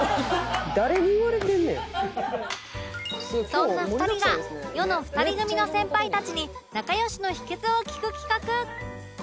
そんな２人が世の２人組の先輩たちに仲良しの秘訣を聞く企画